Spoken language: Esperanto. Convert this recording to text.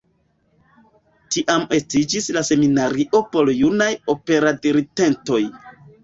Tiam estiĝis la seminario por junaj operdiritentoj.